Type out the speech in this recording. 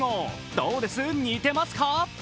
どうです、似てますか？